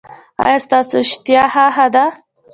ایا ستاسو اشتها ښه ده؟